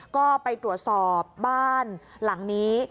ก็ไปตรวจสอบบ้านหลังนี้